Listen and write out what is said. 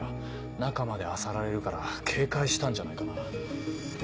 中まであさられるから警戒したんじゃないかな。